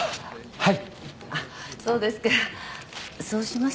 はい。